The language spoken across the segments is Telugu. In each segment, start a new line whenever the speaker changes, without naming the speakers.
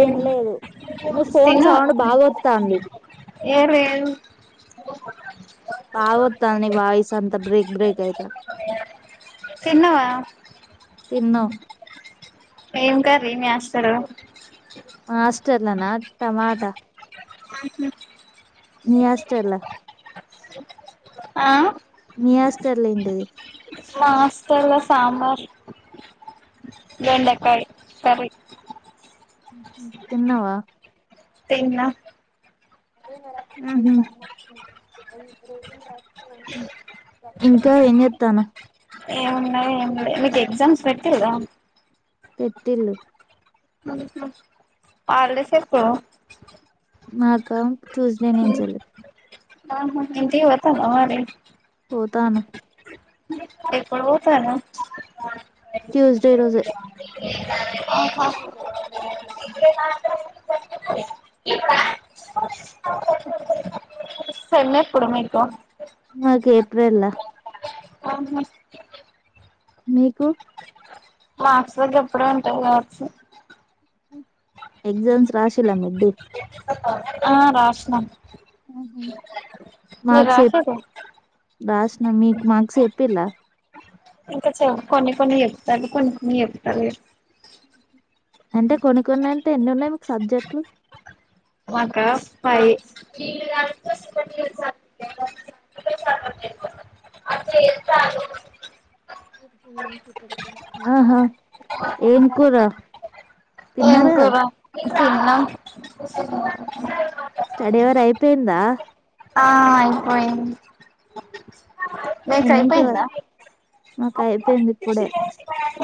ఏం లేదు నీ ఫోన్
తనా
సౌండ్ బాగొత్తాంది
ఏ లేదు
బాగొత్తాంది నీ వాయిస్ అంతా బ్రేక్ బ్రేక్ అయిత
తిన్నవా
తిన్న
ఏం కర్రీ ఏం చేస్తా
హాస్టల్ లోన టమోటా
ఊ
మీ హాస్టలో
ఆ
మీ హోటల్ లో ఏంది
మా ఆస్టల్ల సాంబార్
తిన్నవా
తిన్న
ఉహూ ఇంకా ఏం చేస్తున్నావ్
ఏమున్నాయి ఏమున్నా మీకు ఎగ్జామ్స్ పెట్టే కదా
పెట్టిన్లు
హాలిడేస్ ఎప్పు
మాకా చూస్డే నించలే
ఆ ఇంటికి పోతనవ మరి
పోతాను
ఎప్పుడు పోతనా
ట్యూస్డే రోజే
అహ సేమ్ ఎప్పుడు మీకు
మాకే ఏప్రిల్ లా
ఆఓహా
మీకు
మార్క్స్ వరకు ఎప్పుడే ఉంటాయి కావచు
ఎగ్జామ్స్ రాశిల్ల మిడ్
ఆ రాసిన్నాం
మార్క్స్ చెప్పు
రాసిర్రా
రాసిన మిక్ మార్క్స్ చెప్పిలా
ఇంకా చ కొన్ని కొన్ని చెప్తారు కొన్ని కొన్ని చెప్తలేరు
అంటే కొన్ని కొన్ని అంటే ఎన్ని ఉన్నాయి మీకు సబ్జెక్ట్లు
మాక ఫైవ్
ఆహా ఏం కూరా
ఏం కూర తిన్న కూసుడు మంటున్నారు
స్టడీ అవరు అయిపోయిందా
ఆ అయిపోయింది మీకు
ఎన్నింటి
అయ్యిపోయిందా
వరకు మాకు అయిపోయింది ఇప్పుడే
ఆహా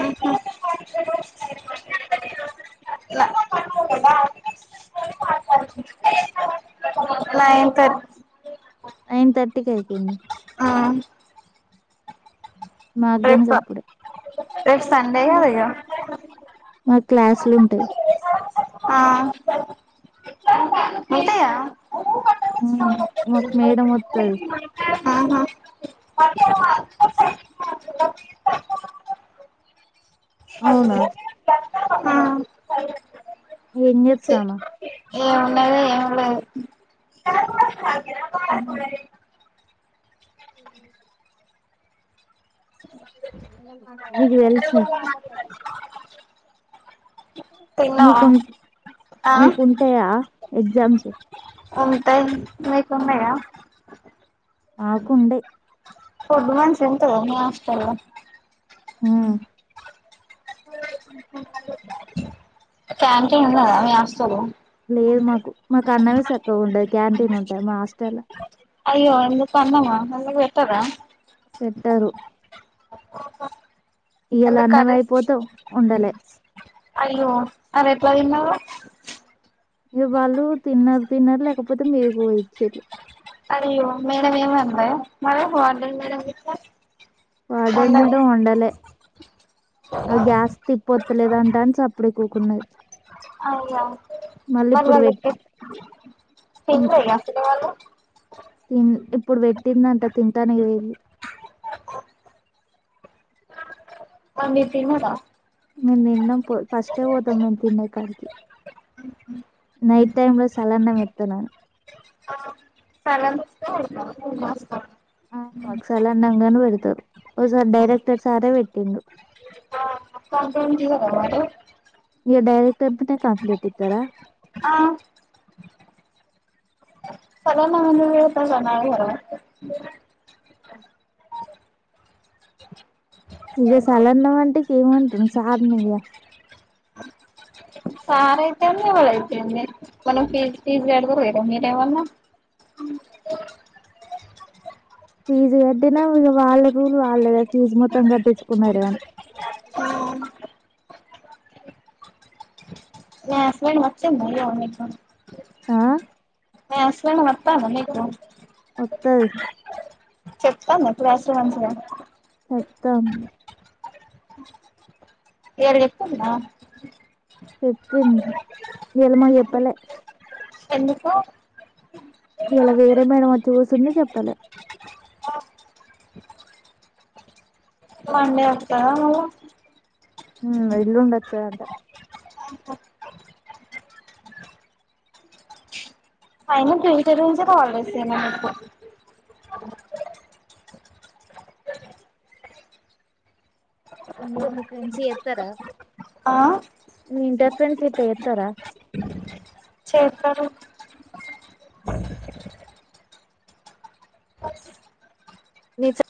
నైంతు
నైన్ థర్టీకి అయిపోయింది మాగ్ గనూక
రేపు
అప్పుడే
రేపు సండే కదా ఇగ
మాకు క్లాసులంటాయి
ఆ అంతేగా
ఉమ్, మాకు మేడం వత్తది
ఆహా
అవునా
ఆ
ఏం చెత్తన్నావ్
ఏం ఉన్నాది ఏం లేదు
నీక్ తెలుసా
తిన్నావా
మీకున్
ఆ
మీకుంటాయా ఎగ్జామ్స్
ఉంటాయి మీకు ఉన్నాయా
ఆకు ఉండయ్
ఫుడ్ మన్స్ ఉంటాయా మీ హాస్టల్ లో
మ్మ్
క్యాంటిన్ ఉన్నాయా మీ హాస్టల్ లో
లేదు మాకు కన్నవి సక్కగ్ గుండదు క్యాంటీన్ ఉంటాయి మా హాస్టల్లో
అయ్యో ఏం జేస్త అన్నము మెల్లగా పెట్టాదా
పెట్టారు ఇయలా
ఎందుకు
అన్నం
కర్రీస్
అయిపోతావ్ వండాలే
అయ్యో అది ఎట్లా తిన్నవే
ఇగ్ వాళ్ళు తిన్నారు తిన్నారు లేకపోతే మీరు వచ్చేట్లు
అయ్యో మేడమ్ ఏమి అందా మల్లా వార్డెన్ మేడం చూస్తే
వార్డన్ మేడం వండలే అవి గ్యాస్ తిప్పొత్తలేద అంటా అన్ చప్పుడే కుకున్నది
అయ్యో
మళ్ళీ
మరి
ఇప్పుడు
వాళ్ళకి
పెట్టి మ్మ్
తినలే ఇగ అసలు వాళ్ళు
ఈ ఇప్పుడు పెట్టిందంట తింటానికి పోయిరు
పండు తిన్నడా
మేము తిన్నామ్ కొ ఫస్ట్ పోతాం మేము తినేకాడికి నైట్ టైమ్ లో సలన్నం ఎత్తన్నాను
చాల
ఆ ఒకసాల అన్నంగానే పెడతారు ఓ సార్ డైరెక్టర్ సారే పెట్టిడు
కంప్లైంట్ ఇయ్యరా మరి
ఇ డైరెక్టర్ మీద కంప్లీట్ ఇస్తారా
ఆ చర ననుత నార
ఇగ సలన్నమంటే ఏమంటరు సార్ నిగ
సార్ అయితేంది ఎవళైతేంది మనం ఫీజు ఫీజు గడతలేమా మీరేమన్నా
ఫీజు కట్టినా ఇగ వాళ్ళకు వాళ్ళదే ఫీజ్ మొత్తం కట్టించుకున్నారు గాని
లాస్టుటైం వచ్చిన్రు ఆ
ఆ
మ్ అసలు వస్తావని అ
ఒత్హాయ్
చెప్తాను మరి క్లాస్ మంచిగా
అత్తం
ఎర్గ ఇస్తున్న
చెప్పింది ఎలమ్మ చెప్ పల్లె
ఎందుకో
ఇయాల వేరే మేడం వచ్చి చూసింది చెప్పలే
మండే వస్తావా మల్లా
మ్ ఎల్లుండు వచ్చదంట
పైన బీట నుంచి కాల్ చేస్తున్నాం ఇప్పు
ఇంకా మీ ఫ్రెండ్స్ చేత్ వస్తర
ఆ
ఇంటర్ ఫ్రెండ్స్ ఇట్ట చేత్తరా
చేత్తారు
మీ చా